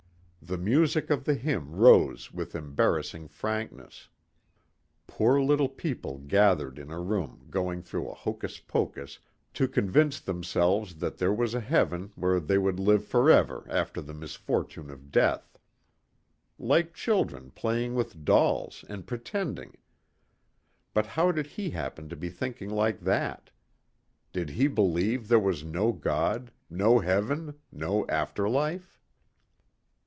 The music of the hymn rose with embarrassing frankness.... Poor little people gathered in a room going through a hocus pocus to convince themselves that there was a heaven where they would live forever after the misfortune of death. Like children playing with dolls and pretending.... But how did he happen to be thinking like that? Did he believe there was no God, no heaven, no after life?